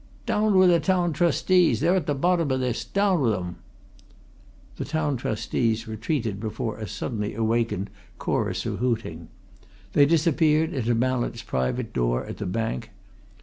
"Down wi' the Town Trustees! they're at t' bottom o' this! Down wi' 'em!" The Town Trustees retreated before a suddenly awakened chorus of hooting. They disappeared into Mallett's private door at the Bank.